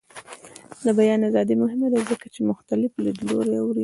د بیان ازادي مهمه ده ځکه چې مختلف لیدلوري اوري.